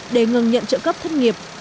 để ngừng nhận trợ cấp thất nghiệp